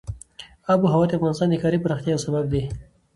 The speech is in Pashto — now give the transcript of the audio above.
آب وهوا د افغانستان د ښاري پراختیا یو سبب دی.